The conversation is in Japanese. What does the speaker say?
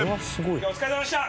今日はお疲れさまでした。